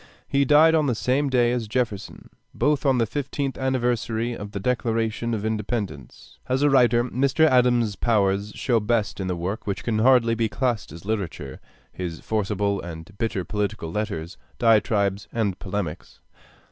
He died on the same day as Jefferson, both on the fiftieth anniversary of the Declaration of Independence. As a writer, Mr. Adams's powers show best in the work which can hardly be classed as literature, his forcible and bitter political letters, diatribes, and polemics.